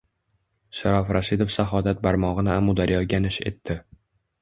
Sharof Rashidov shahodat barmog‘ini Amudaryoga nish etdi.